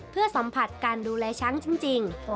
เพื่อสัมผัสการดูแลช้างจริง